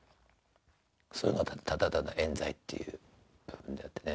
そういうのがただただえん罪っていう部分であってね。